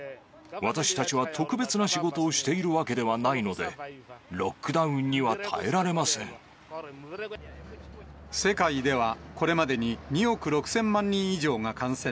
私たちは特別な仕事をしているわけではないので、ロックダウンに世界では、これまでに２億６０００万人以上が感染。